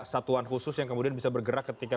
satuan khusus yang kemudian bisa bergerak ketika